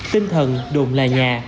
tinh thần đồn là nhà